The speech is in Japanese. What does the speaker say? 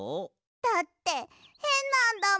だってへんなんだもん。